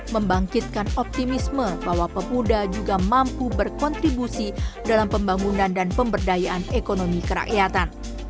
membangkitkan optimisme bahwa pemuda juga mampu berkontribusi dalam pembangunan dan pemberdayaan ekonomi kerakyatan